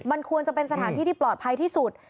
มันควรจะเป็นสถานที่ที่ปลอดภัยที่สุด